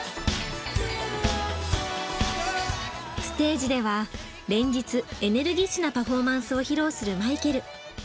ステージでは連日エネルギッシュなパフォーマンスを披露するマイケル。